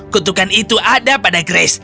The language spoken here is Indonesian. kutukan itu ada pada grace